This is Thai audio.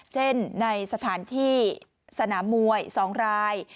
ในสถานที่สนามมวย๒ราย